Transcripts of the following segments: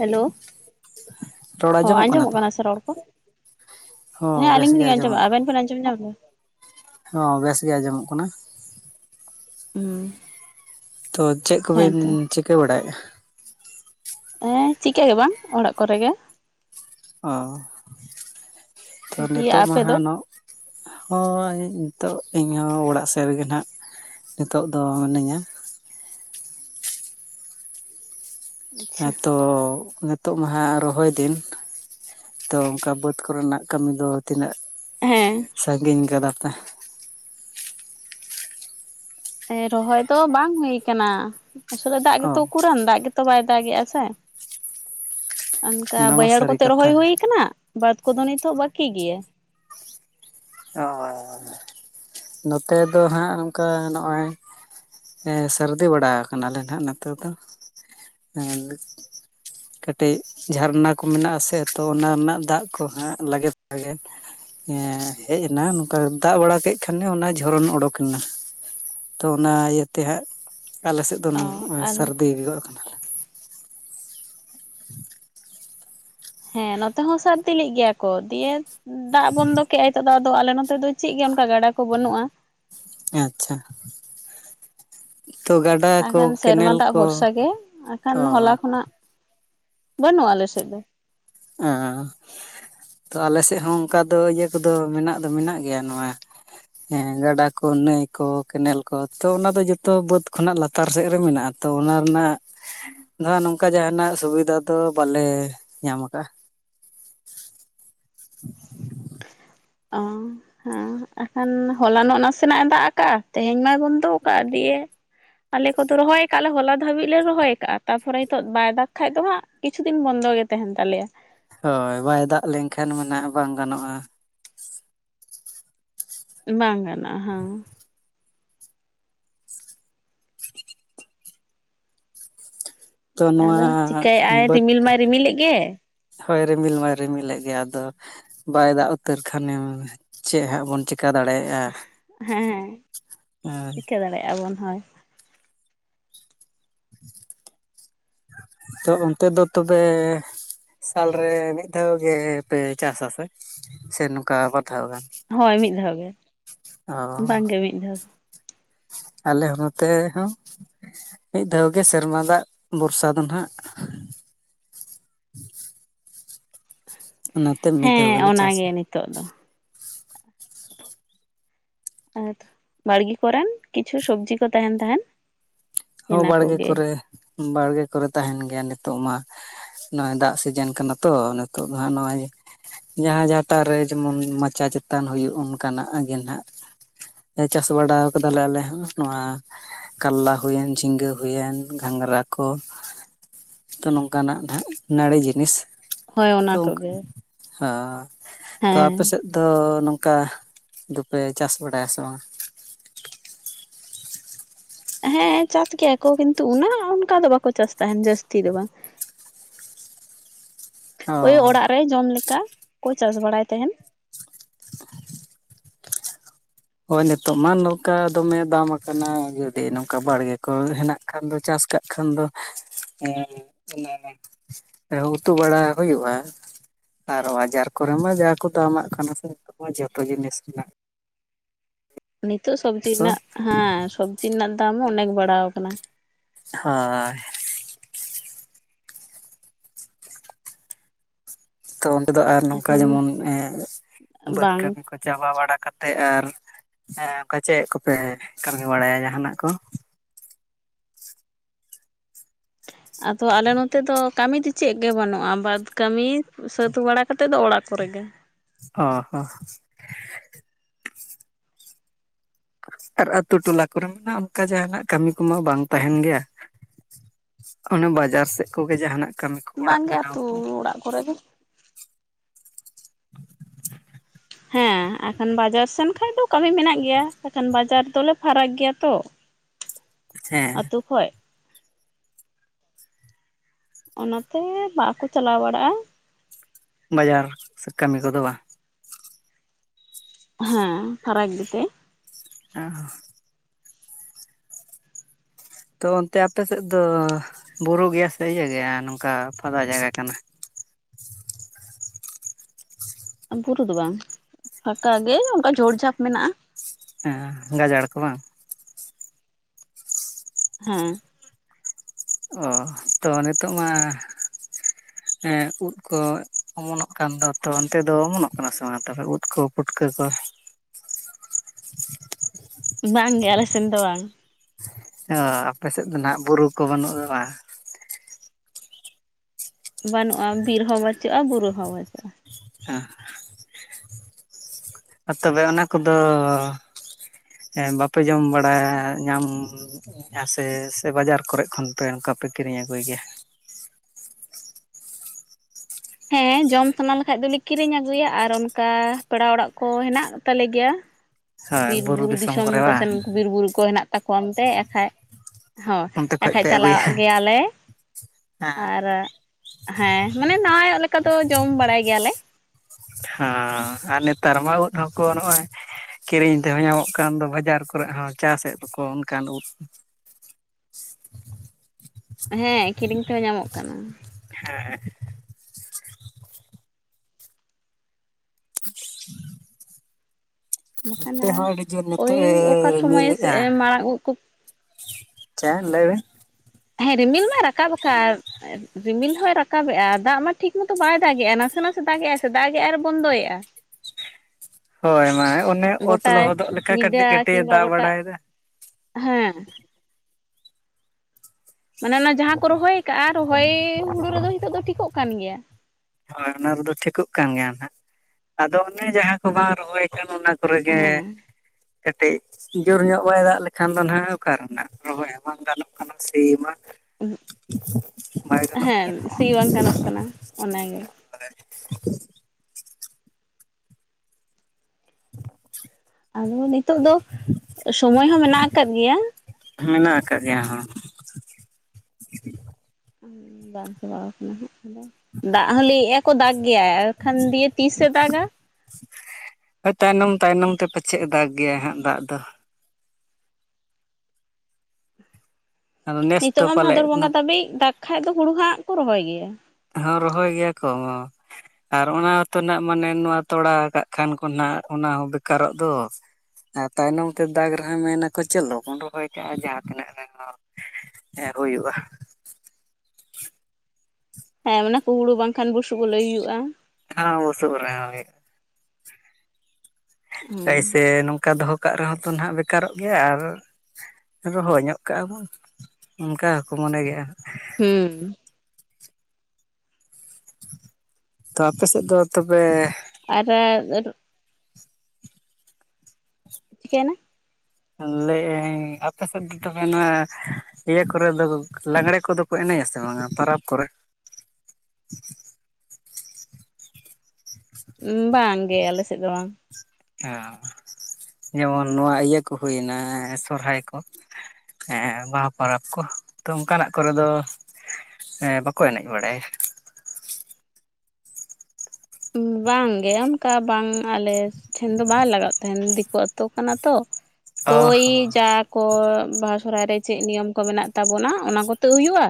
Hello. ᱦᱚᱸ ᱟᱸᱡᱚᱢᱚᱜ ᱠᱟᱱᱟ ᱥᱮ ᱨᱚᱲ ᱠᱚ? ᱦᱮᱸ ᱦᱚᱸ ᱵᱮᱥ ᱟᱹᱞᱤᱧ ᱜᱮ ᱞᱤᱧ ᱟᱸᱡᱚᱢᱚᱜ ᱟᱸᱡᱚᱢᱚᱜ-ᱟ᱾ ᱟᱵᱮᱱ ᱵᱤᱱ ᱟᱸᱡᱚᱢ ᱧᱟᱢ ᱮᱫᱟ? ᱦᱚᱸ ᱵᱮᱥ ᱜᱮ ᱟᱸᱡᱚᱢᱚᱜ ᱠᱟᱱᱟ᱾ ᱦᱩᱸ᱾ ᱛᱚ ᱪᱮᱫ ᱠᱚᱵᱤᱱ ᱦᱮᱸᱛᱚ ᱪᱤᱠᱟᱹ ᱵᱟᱲᱟᱭᱮᱫᱼᱟ? ᱮᱸ ᱪᱤᱠᱟᱹ ᱜᱮ ᱵᱟᱝ ᱚᱲᱟᱜ ᱠᱚᱨᱮ ᱜᱮ᱾ ᱚ ᱛᱚ ᱫᱤᱭᱮ ᱱᱤᱛᱚᱜ ᱟᱯᱮ ᱢᱟᱦᱟ ᱫᱚ ᱱᱚᱸᱜ ᱦᱳᱭ ᱱᱤᱛᱚᱜ ᱤᱧᱦᱚᱸ ᱚᱲᱟᱜ ᱥᱮᱫ ᱨᱮᱜᱮ ᱱᱟᱦᱟᱸᱜ᱾ ᱱᱤᱛᱚᱜ ᱫᱚ ᱢᱤᱱᱟᱧᱟ ᱟᱪᱪᱷᱟ ᱦᱮᱸ ᱛᱚ ᱱᱤᱛᱚᱜ ᱢᱟ ᱦᱟᱸᱜ ᱨᱚᱦᱚᱭ ᱫᱤᱱ᱾ ᱛᱚ ᱚᱱᱠᱟ ᱵᱟᱹᱫᱽ ᱠᱚᱨᱮᱱᱟᱜ ᱠᱟᱹᱢᱤ ᱫᱚ ᱛᱤᱱᱟᱹᱜ ᱦᱮᱸ ᱥᱟᱺᱜᱤᱧ ᱠᱟᱫᱟ ᱯᱮ? ᱮᱸ ᱦᱮ ᱨᱚᱦᱚᱭ ᱫᱚ ᱵᱟᱝ ᱦᱩᱭ ᱟᱠᱟᱱᱟ, ᱟᱥᱚᱞᱮ ᱫᱟᱜ ᱚ ᱜᱮᱛᱚ ᱩᱠᱩᱨᱟᱱ ᱫᱟ ᱜᱮ ᱛᱚ ᱵᱟᱭ ᱫᱟᱜᱮᱼᱟ ᱥᱮᱺ ᱚᱱᱠᱟ ᱚᱱᱟ ᱢᱟ ᱵᱟᱹᱭᱦᱟᱹᱲ ᱥᱟᱹᱨᱤ ᱠᱚᱛᱮᱜ ᱠᱟᱛᱷᱟ ᱨᱚᱦᱚᱭ ᱜᱮ᱾ ᱦᱩᱭᱩ ᱠᱟᱱᱟ᱾ ᱵᱟᱫᱽ ᱠᱚᱫᱚ ᱱᱤᱛᱚᱜ ᱵᱟᱠᱤ ᱜᱮᱭᱟ᱾ ᱚ᱾ ᱱᱚᱛᱮ ᱫᱚ ᱦᱟᱸᱜ ᱚᱝᱠᱟ ᱱᱚᱜᱼᱚᱭ ᱮᱸ ᱥᱟᱹᱨᱫᱤ ᱵᱟᱲᱟᱣ ᱟᱠᱟᱱᱟ ᱟᱞᱮ ᱫᱚ ᱦᱟᱸᱜ ᱱᱤᱛᱚᱜ ᱫᱚ᱾ ᱠᱟᱹᱴᱤᱡ ᱡᱷᱟᱨᱱᱟ ᱠᱚ ᱢᱮᱱᱟᱜ ᱟᱥᱮ ᱛᱚ ᱚᱱᱟ ᱨᱮᱱᱟᱜ ᱫᱟᱜ ᱠᱚ ᱦᱟᱸᱜ ᱞᱮᱜᱮᱛ ᱞᱮᱜᱮᱫᱛ᱾ ᱧᱮ ᱦᱮᱡ ᱮᱱᱟ ᱱᱚᱝᱠᱟ ᱫᱟᱜ ᱵᱟᱲᱟ ᱠᱮᱫ ᱠᱷᱟᱱᱮ ᱚᱱᱟ ᱡᱷᱚᱨᱚᱱ ᱚᱰᱳᱠᱮᱱᱟ᱾ ᱛᱚ ᱚᱱᱟ ᱤᱭᱟᱹᱛᱮ ᱦᱟᱸᱜ ᱟᱞᱮᱥᱮᱫ ᱫᱚ ᱚ ᱱᱚᱜ-ᱚᱭ ᱟᱨ ᱥᱟᱹᱨᱫᱤ ᱦᱩᱭᱜᱚᱫ ᱦᱮᱸ ᱱᱚᱛᱮ ᱦᱚᱸ ᱥᱟᱨᱫᱤᱞᱮᱜ ᱜᱮᱭᱟ ᱠᱚ ᱫᱤᱭᱮ ᱫᱟᱜ ᱵᱚᱱᱫᱚ ᱠᱮᱫᱟᱭ ᱛᱚ᱾ ᱫᱚ ᱟᱫᱚ ᱟᱞᱮ ᱱᱚᱛᱮ ᱫᱚ ᱪᱮᱫ ᱜᱮ ᱚᱱᱠᱟ ᱜᱟᱰᱟ ᱠᱚ ᱵᱟᱹᱱᱩᱜᱼᱟ᱾ ᱟᱪᱪᱷᱟ᱾ ᱛᱚ ᱜᱟᱰᱟ ᱠᱚ ᱟᱠᱷᱟᱱ ᱥᱮᱨᱢᱟ ᱠᱮᱱᱮᱞ ᱫᱟᱜ ᱠᱚ ᱵᱷᱚᱨᱥᱟ ᱜᱮ ᱟᱠᱷᱟᱱ ᱚ᱾ ᱦᱚᱞᱟ [inaudible] ᱠᱷᱚᱱᱟᱜ ᱵᱟᱹᱱᱩᱜᱼᱟ ᱟᱞᱮᱥᱮᱫ ᱫᱚ᱾ ᱚ᱾ ᱛᱚ ᱟᱞᱮ ᱥᱮᱫ ᱦᱚᱸ ᱚᱱᱠᱟ ᱫᱚ ᱤᱭᱟᱹ ᱠᱚᱫᱚ ᱢᱮᱱᱟᱜ ᱫᱚ ᱢᱮᱱᱟᱜ ᱜᱮᱭᱟ ᱱᱚᱣᱟ ᱦᱮᱸ ᱜᱟᱰᱟ ᱠᱚ, ᱱᱟᱹᱭ ᱠᱚ, ᱠᱮᱱᱮᱞ ᱠᱚ ᱛᱚ ᱚᱱᱟ ᱫᱚ ᱡᱚᱛᱚ ᱵᱟᱹᱫᱽ ᱠᱷᱚᱱᱟᱜ ᱞᱟᱹᱛ ᱛᱟᱨ ᱥᱮᱫ ᱨᱮ ᱢᱮᱱᱟᱜᱼᱟ ᱛᱚ ᱚᱱᱟ ᱨᱮᱱᱟᱜ ᱫᱚ ᱦᱟᱜ ᱱᱚᱝᱠᱟ ᱡᱟᱦᱟᱱᱟᱜ ᱥᱩᱵᱤᱫᱷᱟ ᱫᱚ ᱵᱟᱞᱮ ᱧᱟᱢ ᱟᱠᱟᱜᱼᱟ᱾ [inaudible] ᱚ᱾ ᱦᱮᱸ ᱮᱠᱷᱟᱱ ᱦᱚᱞᱟᱱᱚᱜ ᱱᱟᱥᱮᱱᱟᱜ ᱮ ᱫᱟᱜ ᱟᱠᱟᱫᱼᱟ, ᱛᱮᱦᱮᱧ ᱢᱟᱭ ᱵᱚᱱᱫᱚ ᱟᱠᱟᱫᱼᱟ ᱫᱤᱭᱮ ᱟᱞᱮ ᱠᱚᱫᱚ ᱨᱚᱦᱚᱭ ᱟᱠᱟᱟᱜᱼᱟ ᱞᱮ᱾ ᱦᱚᱞᱟ ᱫᱷᱟᱹᱵᱤᱡ ᱞᱮ ᱨᱚᱦᱚᱭ ᱟᱠᱟᱟᱜᱼᱟ ᱛᱟᱨᱯᱚᱨᱮ ᱱᱤᱛᱚᱜ ᱵᱟᱭ ᱫᱟᱜᱽ ᱠᱷᱟᱱᱡ ᱫᱚ ᱦᱟᱸᱜ ᱠᱤᱪᱷᱩ ᱫᱤᱱ ᱵᱚᱱᱫᱚ ᱜᱮ ᱛᱟᱦᱮᱱ ᱛᱟᱞᱮᱭᱟ᱾ ᱦᱳᱭ᱾ ᱵᱟᱭ ᱫᱟᱜ ᱞᱮᱱᱠᱷᱟᱱ ᱢᱟ ᱱᱟᱦᱜ ᱵᱟᱝ ᱜᱟᱱᱚᱜᱼᱟ᱾ ᱵᱟᱝ ᱜᱟᱱᱚᱜᱼᱟ ᱦᱮᱸ᱾ ᱛᱚ ᱱᱚᱣᱟ ᱟᱫᱚ ᱪᱤᱠᱟᱹᱭᱮᱫᱼᱟᱭ ᱵᱟᱹᱫᱽ ᱨᱤᱢᱤᱞ ᱢᱟᱭ ᱨᱤᱢᱤᱞᱮᱫ ᱜᱮ ᱦᱳᱭ ᱨᱤᱢᱤᱞ ᱢᱟᱭ ᱨᱤᱢᱤᱞᱮᱫ ᱜᱮᱭᱟ ᱟᱫᱚ ᱵᱟᱭ ᱫᱟᱜ ᱩᱛᱟᱹᱨ ᱠᱷᱟᱱᱮᱢ ᱪᱮᱫ ᱦᱟᱸᱜ ᱵᱚᱱ ᱪᱮᱠᱟ ᱫᱟᱲᱮᱭᱟᱜᱼᱟ᱾ ᱦᱮᱸ ᱦᱮᱸ ᱦᱳᱭ ᱪᱤᱠᱟᱹ ᱫᱟᱲᱮᱭᱟᱜᱼᱟ ᱵᱚᱱ ᱦᱳᱭ᱾ ᱛᱚ ᱚᱱᱛᱮ ᱫᱚ ᱛᱚᱵᱮ ᱥᱟᱞᱨᱮ ᱢᱤᱫ ᱫᱷᱟᱣ ᱜᱮᱯᱮ ᱪᱟᱥ ᱟᱥᱮ ᱥᱮ ᱱᱚᱝᱠᱟ ᱵᱟᱨ ᱫᱷᱟᱣ ᱜᱟᱱ? ᱦᱳᱭ ᱢᱤᱫ ᱫᱷᱟᱣ ᱜᱮ, ᱚ ᱵᱟᱝᱜᱮ ᱢᱤᱫ ᱫᱷᱟᱣ᱾ ᱟᱞᱮ ᱱᱚᱛᱮ ᱦᱚᱸ᱾ ᱢᱤᱫ ᱫᱷᱟᱣ ᱜᱮ, ᱥᱮᱨᱢᱟ ᱫᱟᱜ ᱵᱚᱨᱥᱟ ᱫᱚ ᱱᱟᱜ᱾ ᱚᱱᱟᱛᱮ ᱢᱤᱫ ᱫᱷᱟᱣ ᱜᱮᱞᱮ ᱪᱟᱥᱟ᱾ ᱦᱤᱛᱚᱜ ᱫᱚ᱾ ᱟᱨ ᱵᱟᱲᱜᱮ ᱠᱚᱨᱮᱱ ᱠᱤᱪᱷᱩ ᱥᱚᱵᱽᱡᱤ ᱠᱚ ᱛᱟᱦᱮᱱ ᱛᱟᱦᱮᱱ᱾ ᱦᱚᱸ ᱚᱱᱟ ᱵᱟᱲᱜᱮ ᱠᱚᱜᱮ ᱠᱚᱨᱮ ᱵᱟᱲᱜᱮ ᱠᱚᱨᱮ ᱛᱟᱦᱮᱱ ᱜᱮᱭᱟ ᱱᱤᱛᱚᱜ ᱢᱟ᱾ ᱱᱚᱜᱼᱚᱭ ᱫᱟᱜ ᱥᱤᱡᱮᱱ ᱠᱟᱱᱟ ᱛᱚ ᱱᱤᱛᱳᱜ ᱫᱚ ᱦᱟᱜ ᱱᱚᱜᱼᱚᱭ ᱡᱟᱦᱟᱸ ᱡᱟᱦᱟᱸᱛᱟᱱ ᱨᱮ ᱡᱮᱢᱚᱱ ᱢᱟᱪᱟ ᱪᱮᱛᱟᱱ ᱦᱩᱭᱩᱜ ᱚᱱᱠᱟᱱᱟᱜ ᱜᱮ ᱱᱟᱜ ᱪᱟᱥ ᱵᱟᱲᱟ ᱠᱟᱫᱟᱞᱮ ᱟᱞᱮ ᱦᱚᱸ ᱱᱚᱣᱟ ᱠᱟᱞᱞᱟ ᱦᱩᱭᱮᱱ ᱡᱷᱤᱸᱜᱟᱹ ᱦᱩᱭᱮᱱ, ᱜᱷᱟᱝᱨᱟ ᱠᱚ᱾ ᱛᱚ ᱱᱚᱝᱠᱟᱱᱟᱜ ᱱᱟᱦᱟᱜ ᱱᱟᱹᱲᱤ ᱡᱤᱱᱤᱥ᱾ ᱦᱳᱭ ᱚᱱᱟ ᱛᱚ ᱦᱚᱸ ᱠᱚᱜᱮ ᱛᱚ ᱦᱮᱸ ᱟᱯᱮ ᱥᱮᱫ ᱫᱚ ᱱᱚᱝᱠᱟ ᱫᱚᱯᱮ ᱪᱟᱥ ᱵᱟᱲᱟᱭᱟ ᱥᱮ ᱵᱟᱝᱼᱟ? ᱦᱮᱸ ᱪᱟᱥ ᱜᱮᱭᱟ ᱠᱚ ᱠᱤᱱᱛᱩ ᱩᱱᱟᱹᱜ ᱚᱱᱠᱟ ᱫᱚ ᱵᱟᱠᱚ ᱪᱟᱥ ᱛᱟᱦᱮᱱ ᱡᱟᱹᱥᱛᱤ ᱫᱚ ᱵᱟᱝ᱾ [unintelligible] ᱳᱭ ᱚ ᱚᱲᱟᱜ ᱨᱮ ᱡᱚᱢ ᱞᱮᱠᱟ ᱠᱚ ᱪᱟᱥ ᱵᱟᱲᱟᱭ ᱛᱟᱦᱮᱱ᱾ [unintelligible] ᱦᱳᱭ ᱱᱤᱛᱚᱜ ᱢᱟ ᱱᱚᱝᱠᱟ ᱫᱚᱢᱮ ᱫᱟᱢ ᱠᱟᱱᱟ ᱡᱩᱫᱤ ᱱᱚᱝᱠᱟ ᱵᱟᱲᱜᱮ ᱠᱚ ᱦᱮᱱᱟᱜ ᱠᱷᱟᱱ ᱫᱚ ᱪᱟᱥ ᱠᱟᱜ ᱠᱷᱟᱱ ᱫᱚ ᱩᱛᱩ ᱵᱟᱲᱟ ᱦᱳᱭᱳᱜᱼᱟ ᱾ ᱟᱨ ᱵᱟᱡᱟᱨ ᱠᱚᱨᱮ ᱡᱟ ᱠᱚ ᱫᱟᱢᱟᱜ ᱠᱟᱱᱟ ᱥᱮ ᱩᱱᱢᱟ ᱡᱚᱛᱚ ᱡᱤᱱᱤᱥ ᱨᱮᱱᱟᱜ ᱱᱤᱛᱳ ᱥᱚᱵᱽᱡᱤ ᱛᱚ ᱨᱮᱱᱟᱜ ᱦᱮᱸ ᱥᱚᱵᱽᱡᱤ ᱨᱮᱱᱟᱜ ᱫᱟᱢ ᱦᱚᱸ ᱚᱱᱮᱠ ᱵᱟᱲᱟᱣ ᱠᱟᱱᱟ᱾ ᱦᱚᱭ ᱾ ᱛᱚ ᱚᱸᱰᱮ ᱫᱚ ᱟᱨ ᱱᱚᱝᱠᱟ ᱮᱠᱷᱟᱱ ᱡᱮᱢᱚᱱ ᱵᱟᱹᱫᱽ ᱵᱟᱝ ᱠᱟᱹᱢᱤ ᱠᱚ ᱪᱟᱵᱟ ᱵᱟᱲᱟ ᱠᱟᱛᱮᱜ ᱟᱨ ᱮᱸ ᱚᱱᱠᱟ ᱪᱮᱫ ᱠᱚᱯᱮ ᱠᱟᱹᱢᱤ ᱵᱟᱲᱟᱭᱟ ᱡᱟᱦᱟᱱᱟᱜ ᱠᱚ? ᱟᱫᱚ ᱟᱞᱮ ᱱᱚᱛᱮ ᱫᱚ ᱠᱟᱹᱢᱤ ᱫᱚ ᱪᱮᱫ ᱜᱮ ᱵᱟᱹᱱᱩᱜᱼᱟ ᱵᱟᱫᱽ ᱠᱟᱹᱢᱤ ᱥᱟᱹᱛ ᱵᱟᱲᱟ ᱠᱟᱛᱮᱫ ᱫᱚ ᱚᱲᱟᱜ ᱠᱚᱨᱮᱜᱮ᱾ ᱚ ᱦᱚ᱾ ᱟᱨ ᱟᱛ ᱴᱚᱞᱟ ᱠᱚᱨᱮ ᱢᱟ ᱚᱱᱠᱟ ᱡᱟᱦᱟᱱᱟᱜ ᱠᱟᱹᱢᱤ ᱠᱚᱢᱟ ᱵᱟᱝ ᱛᱟᱦᱮᱱ ᱜᱮᱭᱟ᱾ ᱚᱱᱮ ᱵᱟᱡᱟᱨ ᱥᱮᱫ ᱠᱚᱜᱮ ᱡᱟᱦᱟᱱᱟᱜ ᱠᱟᱹᱢᱤ ᱠᱚ ᱚᱲᱟᱜ ᱵᱟᱝᱜᱮ ᱵᱮᱱᱟᱣ ᱟᱹᱛᱩ ᱠᱚ᱾ ᱚᱲᱟᱜ ᱠᱚᱨᱮ ᱜᱮ᱾ [unintelligible] ᱦᱮᱸ ᱮᱠᱷᱟᱱ ᱵᱟᱡᱟᱨ ᱥᱮᱱ ᱠᱷᱟᱱ ᱫᱚ ᱠᱟᱹᱢᱤ ᱢᱮᱱᱟᱜ ᱜᱮᱭᱟ ᱮᱠᱷᱟᱱ ᱵᱟᱡᱟᱨ ᱫᱚᱞᱮ ᱯᱷᱟᱨᱟᱠ ᱜᱮᱭᱟ ᱛᱚ᱾ ᱦᱮᱸ ᱟᱛᱳ ᱠᱷᱚᱡ᱾ ᱚᱱᱟᱛᱮ ᱵᱟᱠᱚ ᱪᱟᱞᱟᱣ ᱵᱟᱲᱟᱜᱼᱟ᱾ ᱵᱟᱡᱟᱨ ᱥᱮ ᱠᱟᱹᱢᱤ ᱠᱚᱫᱚ ᱵᱟᱝ᱾ ᱦᱮᱸ ᱯᱷᱟᱨᱟᱠ ᱜᱮᱛᱮ᱾ ᱚ ᱦᱚᱸ᱾ ᱛᱚ ᱚᱱᱛᱮ ᱟᱯ ᱥᱮᱫ ᱫᱚ ᱜᱮᱭᱟ ᱤᱭᱟᱹ ᱜᱮᱭᱟ ᱱᱚᱝᱠᱟ ᱯᱷᱟᱫᱟ ᱡᱟᱭᱜᱟ ᱠᱟᱱᱟ? ᱵᱩᱨᱩ ᱫᱚ ᱵᱟᱝ, ᱯᱷᱟᱠᱟ ᱜᱮ ᱚᱱᱠᱟ ᱡᱷᱳᱲ ᱡᱟᱯ ᱢᱮᱱᱟᱜᱟ᱾ ᱦᱮᱸ ᱜᱟᱡᱟᱲ ᱠᱚ ᱵᱟᱝ? ᱦᱮᱸ᱾ ᱚ ᱛᱚ ᱱᱤᱛᱚᱜ ᱢᱟ ᱮᱸᱻᱩᱫ ᱠᱚ ᱚᱢᱚᱱᱚᱜ ᱠᱟᱱ ᱫᱚ ᱛᱚ ᱚᱱᱛᱮ ᱫᱚ ᱚᱢᱚᱱᱚᱜ ᱠᱟᱱᱟ ᱥᱮ ᱵᱟᱝ ᱩᱫ ᱠᱚ ᱯᱩᱴᱠᱟᱹ ᱠᱚ? ᱵᱟᱝ ᱜᱮ ᱟᱞᱮ ᱥᱮᱱ ᱫᱚ ᱵᱟᱝ᱾ ᱚᱸᱻ ᱟᱯᱮ ᱥᱮᱫ ᱫᱚ ᱱᱟᱜ ᱵᱩᱨᱩ ᱠᱚ ᱵᱟᱹᱱᱩᱜᱼᱟ ᱫᱚ ᱵᱟᱝ᱾ ᱵᱟᱹᱱᱩᱜ-ᱟ, ᱵᱤᱨ ᱦᱚᱸ ᱵᱟᱹᱪᱩᱜ-ᱟ, ᱵᱩᱨᱩ ᱦᱚᱸ ᱵᱟᱹᱪᱩᱜ-ᱟ᱾ ᱦᱮᱸ᱾ ᱟᱨ ᱛᱚᱵᱮ ᱚᱱᱟ ᱠᱚᱫᱚ ᱮᱸᱻᱵᱟᱯᱮ ᱡᱚᱢ ᱵᱟᱲᱟ ᱧᱟᱢ ᱦᱮᱸ ᱥᱮ, ᱥᱮ ᱵᱟᱡᱟᱨ ᱠᱚᱨᱮ ᱠᱷᱚᱱ ᱯᱮ ᱚᱱᱠᱟ ᱯᱮ ᱠᱤᱨᱤᱧ ᱟᱹᱜᱩᱭ ᱜᱮᱭᱟ? ᱦᱮᱸ ᱡᱚᱢ ᱥᱟᱱᱟ ᱞᱮᱠᱷᱟᱡ ᱫᱚᱞᱮ ᱠᱤᱨᱤᱧ ᱟᱹᱜᱩᱭᱟ᱾ ᱟᱨ ᱚᱱᱠᱟ ᱯᱮᱲᱟ ᱚᱲᱟᱜ ᱠᱚ ᱦᱮᱱᱟᱜ ᱛᱟᱞᱮ ᱜᱮᱭᱟ᱾ ᱦᱳᱭ ᱵᱤᱨ ᱵᱩᱨᱩ ᱠᱚᱨᱮ ᱫᱤᱥᱚᱢ ᱵᱟᱝ ᱠᱚᱥᱮᱱ ᱵᱤᱨ ᱵᱩᱨᱩ ᱠᱚ ᱦᱮᱱᱟᱜ ᱛᱟᱠᱚᱣᱟ ᱮᱱᱛᱮ ᱟᱠᱷᱟᱡ᱾ ᱦᱚᱸ ᱚᱱᱛᱮ ᱠᱷᱚᱡ ᱮᱠᱷᱟᱡ ᱯᱮ ᱪᱟᱞᱟᱜ ᱟᱹᱜᱩᱭᱟ ᱦᱮᱸ ᱜᱮᱭᱟ ᱞᱮ᱾ ᱟᱨ ᱦᱮᱸ ᱢᱟᱱᱮ ᱱᱟᱹᱢᱟᱹᱭ ᱚᱜ ᱞᱮᱠᱟ ᱫᱚ ᱵᱟᱲᱟᱭ ᱜᱮᱭᱟ ᱞᱮ᱾ ᱦᱚᱸ ᱟᱨ ᱱᱮᱛᱟᱨ ᱢᱟ ᱩᱫ ᱦᱚᱸ ᱠᱚ ᱱᱚᱸᱜ-ᱚᱭ ᱠᱤᱨᱤᱧ ᱛᱮᱦᱚᱸ ᱧᱟᱢᱚᱜ ᱠᱟᱱ ᱫᱚ ᱵᱟᱡᱟᱨ ᱠᱚᱨᱮ ᱦᱚᱸ ᱪᱟᱥ ᱮᱫ ᱫᱚᱠᱚ ᱚᱱᱠᱟᱱ ᱩᱫ᱾ [inaudible] ᱦᱮᱸ ᱠᱤᱨᱤᱧ ᱛᱮᱦᱚᱸ ᱧᱟᱢᱚᱜ ᱠᱟᱱᱟ᱾ ᱦᱮᱸ, ᱦᱮᱸ᱾ [inaudible] ᱵᱟᱠᱷᱟᱱ ᱱᱚᱛᱮ ᱦᱚᱸ ᱟᱹᱰᱤ ᱡᱳᱨ ᱱᱤᱛᱚᱜ ᱳᱭ ᱮ ᱚᱠᱟ ᱨᱤᱢᱤᱞ ᱥᱚᱢᱚᱭ ᱞᱮᱜ-ᱟ᱾ ᱢᱟᱨᱟᱝ ᱩᱫ ᱠᱚ ᱪᱮᱫ ᱞᱟᱹᱭ ᱵᱤᱱ? ᱦᱮᱸ ᱨᱤᱢᱤᱞ ᱢᱟ ᱨᱟᱠᱟᱵ ᱠᱟᱫ᱾ ᱨᱤᱢᱤᱞ ᱦᱚᱸᱭ ᱨᱟᱠᱟᱵ ᱮᱜ-ᱟ ᱫᱟᱜ ᱢᱟ ᱴᱷᱤᱠ ᱢᱚᱛᱚ ᱵᱟᱭ ᱫᱟᱜ ᱜᱮᱜ-ᱟ ᱱᱟᱥᱮ ᱱᱟᱥᱮ ᱫᱟᱜ ᱜᱮᱜ-ᱟᱭ ᱥᱮ ᱫᱟᱜ ᱜᱮᱜ-ᱟ ᱟᱨ ᱵᱚᱱᱫᱚᱭ ᱮᱜ-ᱟ᱾ ᱦᱳᱭ ᱢᱟ ᱚᱱᱮ ᱚᱛ ᱜᱚᱴᱟ ᱞᱚᱦᱚᱫᱚᱜ ᱞᱮᱠᱟ ᱧᱤᱫᱟᱹ ᱠᱟᱹᱴᱤᱡ ᱮ ᱠᱤᱝᱵᱟ ᱫᱟᱜ ᱜᱚᱴᱟ ᱵᱟᱲᱟᱭ ᱮᱫᱟ᱾ ᱦᱮᱸ᱾ ᱢᱟᱱᱮ ᱚᱱᱟ ᱡᱟᱦᱟ ᱠᱚ ᱨᱚᱦᱚᱭ ᱠᱟᱜ-ᱟ ᱨᱚᱦᱚᱭ ᱦᱩᱲᱩ ᱨᱮᱫᱚ ᱱᱤᱛᱚᱜ ᱫᱚ ᱴᱷᱤᱠᱚᱜ ᱠᱟᱱ ᱜᱮᱭᱟ᱾ ᱦᱳᱭ ᱚᱱᱟ ᱨᱮᱫᱚ ᱴᱷᱤᱠᱚᱜ ᱠᱟᱱ ᱜᱮᱭᱟ ᱱᱟᱸᱜ ᱟᱫᱚ ᱚᱱᱮ ᱡᱟᱦᱟ ᱠᱚ ᱵᱟᱝ ᱨᱚᱦᱚᱭ ᱟᱠᱟᱱ ᱚᱱᱟ ᱠᱚᱨᱮ ᱜᱮ ᱦᱮᱸ ᱠᱟᱹᱴᱤᱡ ᱡᱳᱨ ᱧᱚᱜ ᱵᱟᱭ ᱫᱟᱜ ᱞᱮᱠᱷᱟᱱ ᱫᱚ ᱱᱟᱸᱜ ᱚᱠᱟ ᱨᱮᱱᱟᱜ ᱨᱚᱦᱚᱭ ᱦᱚᱸ ᱵᱟᱝ ᱜᱟᱱᱚᱜ ᱠᱟᱱᱟ᱾ ᱥᱤ ᱢᱟ ᱵᱟᱭ ᱜᱟᱱᱚᱜ ᱦᱮᱸ ᱜᱮᱭᱟ ᱥᱤ ᱵᱟᱝ ᱜᱟᱱᱚᱜ ᱠᱟᱱᱟ ᱚᱱᱟ ᱜᱮ᱾ [unintelligible] [inaudible] ᱟᱫᱚ ᱱᱤᱛᱳᱜ ᱫᱚ ᱥᱚᱢᱚᱭ ᱦᱚᱸ ᱢᱮᱱᱟᱜ ᱟᱠᱟᱫ ᱜᱮᱭᱟ᱾ ᱢᱮᱱᱟᱜ ᱟᱠᱟᱜ ᱜᱮᱭᱟ ᱦᱚᱸ᱾ ᱦᱩᱸ ᱵᱟᱝ ᱪᱟᱵᱟᱣ ᱠᱟᱱᱟ ᱦᱟᱸᱜ᱾ ᱫᱟᱜ ᱦᱚᱸ ᱞᱟᱹᱭ ᱮᱜ-ᱟ ᱠᱚ ᱫᱟᱜ ᱜᱮᱭᱟᱭ ᱟᱨ ᱠᱷᱟᱱ ᱫᱤᱭᱮ ᱛᱤᱥᱮ ᱫᱟᱜ-ᱟ? ᱛᱟᱭᱱᱚᱢ, ᱛᱟᱭᱱᱚᱢ ᱛᱮ ᱯᱟᱪᱮᱫ ᱮ ᱫᱟᱜ ᱜᱮᱭᱟᱭ ᱦᱟᱸᱜ ᱫᱟᱜ ᱫᱚ᱾ ᱟᱫᱚ ᱱᱮᱥ ᱱᱤᱛᱳᱜ ᱫᱚ ᱢᱟ ᱵᱷᱟᱫᱚᱨ ᱯᱟᱞᱮᱫ ᱵᱚᱸᱜᱟ ᱫᱷᱟᱹᱵᱤᱡ ᱫᱟᱜ ᱠᱷᱟᱡ ᱫᱚ ᱦᱩᱲᱩ ᱦᱟᱸᱜ ᱠᱚ ᱨᱚᱦᱚᱭ ᱜᱮᱭᱟ᱾ ᱦᱚᱸ ᱨᱚᱦᱚᱭ ᱜᱮᱭᱟ ᱠᱚ᱾ ᱟᱨ ᱚᱱᱟ ᱦᱚᱸ ᱛᱚ ᱱᱟᱸᱜ ᱢᱟᱱᱮ ᱱᱚᱣᱟ ᱛᱚᱲᱟ ᱠᱟᱜ ᱠᱷᱟᱱ ᱠᱚ ᱱᱟᱸᱜ ᱚᱱᱟ ᱦᱚᱸ ᱵᱮᱠᱟᱨᱚᱜ ᱫᱚ᱾ ᱟᱨ ᱛᱟᱭᱱᱚᱢ ᱛᱮ ᱫᱟᱜ ᱨᱮᱦᱚᱸ ᱢᱮᱱ ᱟᱠᱚ ᱪᱮᱫ ᱞᱚᱜᱚᱱ ᱨᱚᱦᱚᱭ ᱠᱟᱜ-ᱟ ᱡᱟᱦᱟ ᱛᱤᱱᱟᱹᱜ ᱨᱮ ᱦᱚᱸ ᱦᱮᱸ ᱦᱩᱭᱩᱜ-ᱟ᱾ ᱦᱮᱸ ᱚᱱᱟ ᱠᱚ ᱠᱩᱦᱩᱲᱩ ᱵᱟᱝ ᱠᱷᱟᱱ ᱵᱩᱥᱩᱵ ᱞᱟᱹᱭ ᱦᱩᱭᱩᱜ-ᱟ᱾ ᱦᱮᱸ ᱵᱩᱥᱩ ᱨᱮ ᱦᱚᱸ ᱦᱳᱭᱳᱜ-ᱟ᱾ ᱠᱟᱭ ᱥᱮ ᱦᱩᱸ ᱱᱚᱝᱠᱟ ᱫᱚᱦᱚ ᱠᱟᱜ ᱨᱮ ᱦᱚᱸ ᱛᱚ ᱱᱟᱸᱜ ᱵᱮᱠᱟᱨᱚᱜ ᱜᱮᱭᱟ᱾ ᱟᱨ ᱨᱚᱦᱚᱭ ᱧᱚᱜ ᱠᱟᱜ-ᱟ ᱵᱚᱱ ᱚᱱᱠᱟ ᱦᱚᱸ ᱠᱚ ᱢᱚᱱᱮ ᱜᱮᱭᱟ᱾ ᱦᱩᱸ᱾ ᱛᱚ ᱟᱯᱮ ᱥᱮᱫ ᱫᱚ ᱛᱚᱵᱮ ᱟᱨᱟ ᱟᱨᱩᱜ ᱪᱤᱠᱟᱭᱱᱟ? ᱞᱟᱹᱭᱮᱜ ᱟᱧ ᱟᱯᱮ ᱥᱮᱫ ᱫᱚ ᱛᱚᱵᱮ ᱱᱚᱣᱟ ᱤᱭᱟᱹ ᱠᱚᱨᱮ ᱫᱚ ᱞᱟᱸᱜᱽᱲᱮ ᱠᱚᱫᱚ ᱠᱚ ᱮᱱᱮᱡ ᱟ ᱥᱮ ᱵᱟᱝᱟ ᱯᱟᱨᱟᱽ ᱠᱚᱨᱮ? [inaudible] ᱵᱟᱝ ᱜᱮ ᱟᱞᱮ ᱥᱮᱜ ᱫᱚ ᱵᱟᱝ᱾ ᱦᱮᱸ ᱡᱮᱢᱚᱱ ᱱᱚᱣᱟ ᱤᱭᱟᱹ ᱠᱚ ᱦᱩᱭᱱᱟ ᱥᱚᱨᱦᱟᱭ ᱠᱚ᱾ ᱦᱮᱸ ᱵᱟᱦᱟ ᱯᱟᱨᱟᱵᱽ ᱠᱚ ᱛᱚ ᱚᱝᱠᱟᱱᱟᱜ ᱠᱚᱨᱮ ᱫᱚ ᱦᱮᱸ ᱵᱟᱠᱚ ᱮᱱᱮᱡ ᱵᱟᱲᱟᱭᱟ᱾ ᱵᱟᱝᱜᱮ ᱚᱱᱠᱟ ᱵᱟᱝ ᱟᱞᱮᱥ ᱴᱷᱮᱱ ᱫᱚ ᱵᱟᱭ ᱞᱟᱜᱟᱣ ᱛᱟᱦᱮᱱ ᱫᱤᱠᱩ ᱟᱛᱳ ᱠᱟᱱᱟ ᱛᱚ, ᱛᱳ ᱚ ᱤ ᱦᱳᱭ ᱡᱟᱠ ᱠᱚ ᱵᱟᱦᱟ ᱥᱚᱦᱚᱨᱟᱭ ᱨᱮ ᱪᱮᱜ ᱱᱤᱭᱚᱢ ᱠᱚ ᱢᱮᱱᱟᱜ ᱛᱟᱵᱚᱱᱟ ᱚᱱᱟ ᱠᱚᱛᱮ ᱦᱩᱭᱩᱜᱼᱟ᱾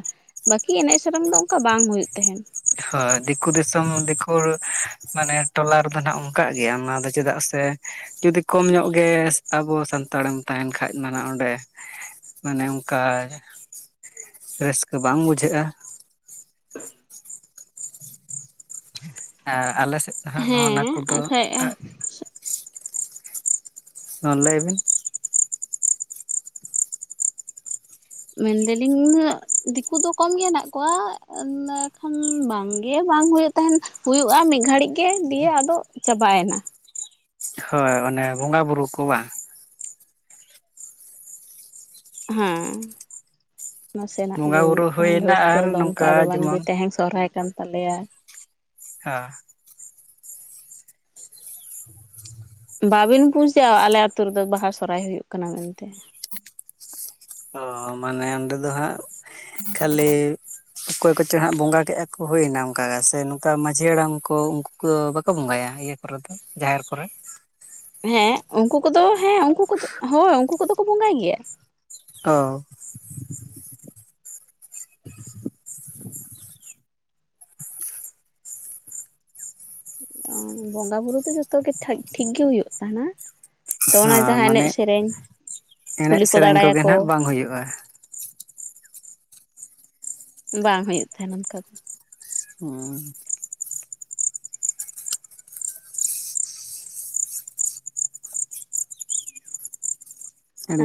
ᱵᱟᱹᱠᱤ ᱮᱱᱮᱡ ᱥᱮᱨᱮᱧ ᱫᱚ ᱚᱝᱠᱟ ᱵᱟᱝ ᱦᱩᱭᱩᱜ ᱛᱟᱦᱮᱸᱱ᱾ ᱦᱳ ᱫᱤᱠᱩ ᱫᱤᱥᱚᱢ ᱫᱤᱠᱩ ᱢᱟᱱᱮ ᱴᱚᱞᱟ ᱨᱮᱫᱚ ᱱᱟᱜ ᱚᱝᱠᱟᱜ ᱜᱮᱭᱟ ᱚᱱᱟ ᱫᱚ ᱪᱮᱫᱟᱜ ᱥᱮ ᱡᱩᱫᱤ ᱠᱚᱢ ᱧᱚᱜ ᱜᱮ ᱟᱵᱚ ᱥᱟᱱᱛᱟᱲᱮᱢ ᱛᱟᱦᱮᱱ ᱠᱷᱟᱡ ᱢᱟᱱᱮ ᱚᱸᱰᱮ ᱢᱟᱱᱮ ᱚᱝᱠᱟ ᱨᱟᱹᱥᱠᱟᱹ ᱵᱟᱝ ᱵᱩᱡᱷᱟᱹᱜᱼᱟ᱾ ᱟᱨ ᱟᱞᱮ ᱥᱮᱜ ᱫᱚ ᱦᱟᱸᱜ ᱱᱚᱜᱼᱚ ᱱᱟ ᱦᱮᱸ ᱠᱚᱫᱚ ᱟᱠᱷᱟᱡ ᱦᱚᱸ ᱞᱟᱹᱭ ᱵᱤᱱ᱾ ᱢᱮᱱ ᱫᱟᱞᱤᱧ ᱩᱱᱟᱹᱜ ᱫᱤᱠᱩ ᱫᱚ ᱠᱚᱢ ᱜᱮ ᱦᱮᱱᱟᱜ ᱠᱚᱣᱟ ᱮᱸᱰᱮ ᱠᱷᱟᱱ ᱵᱟᱝᱜᱮ ᱵᱟᱝ ᱦᱩᱭᱩᱜ ᱛᱟᱦᱮᱸᱱ᱾ ᱦᱩᱭᱩᱜᱼᱟ ᱢᱤᱜ ᱜᱷᱟᱹᱲᱤᱡ ᱜᱮ ᱫᱤᱭᱮ ᱟᱫᱚ ᱪᱟᱵᱟᱭᱱᱟ᱾ ᱦᱳᱭ ᱚᱱᱮ ᱵᱚᱸᱜᱟ ᱵᱩᱨᱩ ᱠᱚ ᱵᱟᱸ? ᱦᱮᱸ᱾ ᱱᱟᱥᱮᱱᱟᱜ ᱵᱚᱸᱜᱟ ᱜᱮ ᱦᱩᱭᱩᱜ ᱵᱩᱨᱩ ᱛᱟᱦᱮᱱ ᱦᱩᱭᱱᱟ ᱨᱟᱹᱥᱠᱟᱹ ᱟᱨ ᱫᱚ ᱚᱱᱠᱟ ᱱᱚᱝᱠᱟ ᱫᱚ ᱵᱟᱝᱜᱮ ᱡᱮᱢᱚᱱ ᱛᱮᱦᱮᱧ ᱥᱚᱨᱦᱟᱭ ᱠᱟᱱ ᱛᱟᱞᱮᱭᱟ ᱦᱟ ᱵᱟᱵᱤᱱ ᱵᱩᱡᱟ ᱟᱞᱮ ᱟᱛᱩ ᱨᱮᱫᱚ ᱵᱟᱦᱟ, ᱥᱚᱨᱦᱟᱭ ᱦᱩᱭᱩᱜ ᱠᱟᱱᱟ ᱢᱮᱱᱛᱮ᱾ ᱚ ᱢᱟᱱᱮ ᱚᱸᱰᱮ ᱫᱚ ᱦᱟᱸᱜ ᱠᱷᱟᱹᱞᱤ ᱚᱠᱚᱭ ᱠᱚᱪᱚ ᱦᱟᱸᱜ ᱵᱚᱸᱜᱟ ᱠᱮᱜᱼᱟ ᱠᱚ ᱦᱩᱭᱱᱟ ᱚᱝᱠᱟ ᱥᱮ ᱱᱚᱝᱠᱟ ᱢᱟᱹᱡᱷᱤ ᱦᱟᱲᱟᱢ ᱠᱚ ᱩᱝᱠ ᱠᱩ ᱵᱟᱠᱚ ᱵᱚᱸᱜᱟᱭᱟ ᱤᱭᱟᱹ ᱠᱚᱨᱮ ᱫᱚ ᱡᱟᱦᱮᱨ ᱠᱚᱨᱮ? ᱦᱮᱸ ᱩᱝᱠᱩ ᱠᱚᱫᱚ ᱦᱮᱸ ᱩᱝᱠᱩ ᱠᱚᱫᱚ ᱦᱳᱭ ᱩᱝᱠᱩ ᱠᱚᱫᱚ ᱠᱚ ᱵᱚᱸᱜᱟᱭ ᱜᱮᱭᱟ᱾ ᱚ ᱚ ᱵᱚᱸᱜᱟ ᱵᱩᱨᱩ ᱫᱚ ᱡᱚᱛᱚ ᱜᱮ ᱛᱷᱟᱹᱡ ᱴᱷᱤᱠ ᱜᱮ ᱦᱩᱭᱩᱜ ᱛᱟᱦᱮᱱᱟ᱾ ᱛᱚ ᱚᱱᱟ ᱦᱮᱸ ᱡᱟᱦᱟᱸ ᱮᱱᱮᱡ ᱢᱟᱱᱮ ᱥᱮᱨᱮᱧ, ᱮᱱᱮᱡ ᱠᱩᱞᱤ ᱠᱚ ᱥᱮᱨᱮᱧ ᱫᱬᱟᱭᱟᱠᱚ [unintelligible] ᱦᱩᱭᱩᱜᱼᱟ᱾ ᱵᱟᱝ ᱦᱩᱭᱩᱜ ᱛᱟᱦᱮᱱ ᱚᱝᱠᱟ ᱫᱚ᱾ ᱚᱸ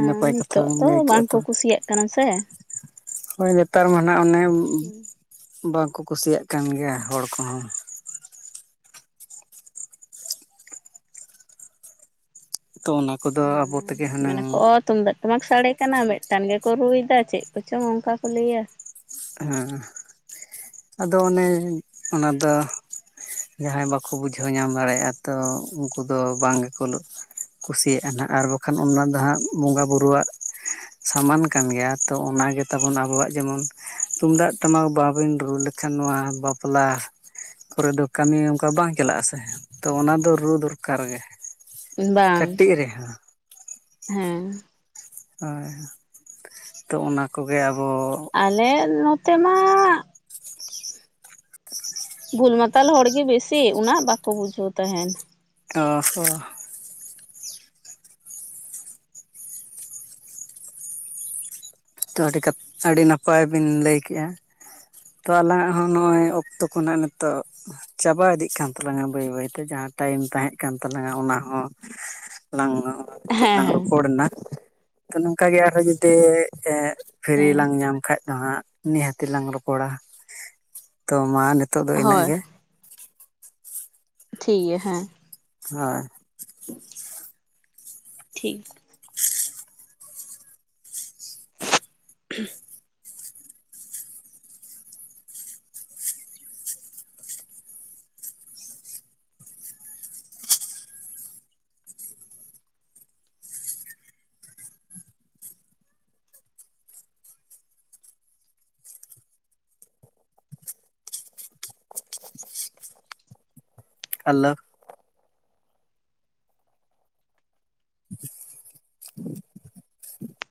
ᱟ ᱱᱟᱯᱟᱭ ᱠᱟᱛᱷᱟ ᱱᱤᱛᱚᱜ ᱵᱮᱱ ᱛᱚ ᱞᱟᱹᱭ ᱠᱮᱜᱼᱟ ᱵᱟᱝᱠᱚ ᱠᱩᱥᱤᱭᱟᱜ ᱠᱟᱱᱟ ᱥᱮ᱾ ᱦᱳᱭ ᱱᱮᱛᱟᱨ ᱢᱟ ᱱᱟᱜ ᱚᱱᱮ ᱵᱟᱝᱠᱚ ᱠᱩᱥᱤᱭᱟᱜ ᱠᱟᱱ ᱜᱮᱭᱟ ᱦᱚᱲ ᱠᱚᱦᱚᱸ᱾ ᱛᱚ ᱚᱱᱟ ᱠᱚᱫᱚ ᱟᱵᱚ ᱦᱚᱸ ᱛᱮᱜᱮ ᱢᱮᱱᱟ ᱠᱚ ᱦᱩᱱᱟᱹᱝ ᱛᱩᱢᱫᱟᱜ ᱴᱟᱢᱟᱠ ᱥᱟᱰᱮ ᱠᱟᱱᱟ ᱢᱤᱫᱴᱟᱱ ᱜᱮᱠᱚ ᱨᱩᱭᱫᱟ ᱪᱮᱜ ᱠᱚᱪᱚᱝ ᱚᱝᱠᱟ ᱠᱚ ᱞᱟᱹᱭᱟ᱾ ᱦᱮᱸ ᱟᱫᱚ ᱚᱱᱮ ᱚᱱᱟᱫᱚ ᱡᱟᱦᱟᱸᱭ ᱵᱟᱠᱚ ᱵᱩᱡᱷᱟᱹᱣ ᱧᱟᱢ ᱫᱟᱲᱮᱭᱟᱜᱼᱟ ᱛᱚ ᱩᱝᱠᱩ ᱫᱚ ᱵᱟᱝ ᱜᱮᱠᱚ ᱞᱩ ᱠᱩᱥᱤᱭᱟᱜᱼᱟ ᱱᱟᱜ ᱟᱨ ᱵᱟᱝᱠᱷᱟᱱ ᱚᱱᱟ ᱫᱚ ᱦᱟᱸᱜ ᱵᱚᱸᱜᱟ ᱵᱩᱨᱩᱣᱟᱜ ᱥᱟᱢᱟᱱ ᱠᱟᱱ ᱜᱮᱭᱟ, ᱛᱚ ᱚᱱᱟᱜᱮ ᱛᱟᱵᱚᱱ ᱟᱵᱚᱣᱟᱜ ᱡᱮᱢᱚᱱ ᱛᱩᱢᱫᱟᱜ ᱴᱟᱢᱟᱠ ᱵᱟᱵᱤᱱ ᱨᱩ ᱞᱮᱠᱷᱟᱱ, ᱱᱚᱣᱟ ᱵᱟᱯᱞᱟ ᱠᱚᱨᱮ ᱫᱚ ᱠᱟᱹᱢᱤ ᱚᱱᱠᱟ ᱵᱟᱝ ᱪᱟᱞᱟᱜ ᱟᱥᱮ, ᱛᱚ ᱚᱱᱟᱫᱚ ᱨᱩ ᱫᱚᱨᱠᱟᱨ ᱜᱮ᱾ ᱵᱟᱝ, ᱠᱟᱹᱴᱤᱡ ᱨᱮᱦᱚᱸ ᱦᱮᱸ᱾ ᱦᱳᱭ ᱛᱚ ᱚᱱᱟ ᱠᱚᱜᱮ ᱟᱵᱚ ᱟᱞᱮ ᱱᱚᱛᱮ ᱢᱟ ᱵᱩᱞ ᱢᱟᱛᱟᱞ ᱦᱚᱲᱜᱤ ᱵᱮᱥᱤ ᱩᱱᱟᱹᱜ ᱵᱟᱠᱚ ᱵᱩᱡᱷᱟᱹᱣ ᱛᱟᱦᱮᱱ᱾ ᱚ ᱦᱚᱸ᱾ ᱛᱚ ᱟᱹᱰᱤ ᱠᱟᱛ ᱟᱹᱰᱤ ᱱᱟᱯᱟᱭ ᱵᱤᱱ ᱞᱟᱹᱭ ᱠᱮᱜᱼᱟ᱾ ᱛᱚ ᱟᱞᱟᱝᱟᱜ ᱦᱚᱸ ᱱᱚᱜᱼᱚᱭ ᱚᱠᱛᱚ ᱠᱚ ᱱᱟᱦᱜ ᱤᱛᱚᱜ ᱪᱟᱵᱟ ᱤᱫᱤᱜ ᱠᱟᱱ ᱛᱟᱞᱟᱝᱟ ᱵᱟᱹᱭ ᱵᱟᱭ ᱛᱮ ᱡᱟᱦᱟᱸ ᱴᱟᱭᱤᱢ ᱛᱟᱦᱮᱸ ᱠᱟᱱ ᱛᱟᱞᱟᱝᱟ ᱚᱱᱟ ᱦᱚᱸ᱾ ᱞᱟᱝ ᱠᱷᱟᱹᱛᱤᱨ ᱞᱟᱝ ᱦᱮᱸ ᱨᱚᱯᱚᱲᱱᱟ ᱛᱚ ᱱᱚᱝᱠᱟ ᱜᱮ ᱟᱨᱦᱚᱸ ᱡᱩᱫᱤ ᱮᱜ ᱯᱷᱤᱨᱤ ᱦᱮᱸ ᱞᱟᱝ ᱧᱟᱢ ᱠᱷᱟᱡ ᱫᱚ ᱦᱟᱸᱜ ᱱᱤᱦᱟᱹᱛᱤ ᱞᱟᱝ ᱨᱚᱯᱚᱲᱟ᱾ ᱛᱚ ᱢᱟ ᱱᱤᱛᱳᱜ ᱫᱚ ᱤᱱᱟᱜ ᱦᱳᱭ ᱜᱮ᱾ ᱴᱷᱤᱠ ᱜᱮᱭᱟ ᱦᱮᱸ᱾ ᱦᱳᱭ᱾ ᱴᱷᱤᱠ᱾ [unintelligible] ᱟᱞᱳ, [unintelligible]